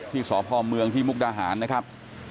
ที่สภเมืองมุกดาหารนะครับ